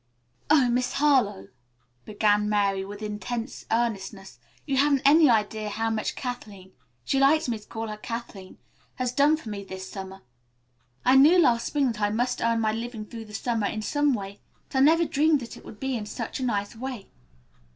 "Oh, Miss Harlowe," began Mary, with intense earnestness, "you haven't any idea of how much Kathleen she likes me to call her Kathleen has done for me this summer. I knew last spring that I must earn my living through the summer, in some way, but I never dreamed that it would be in such a nice way."